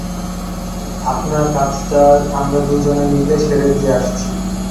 আপনার কাজটা আমরা দুজনে মিলে সেরে দিয়ে আসছি।